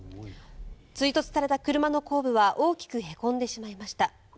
追突された車の後部は大きくへこんでしまいました。